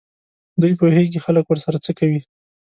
دوی پوهېږي خلک ورسره څه کوي.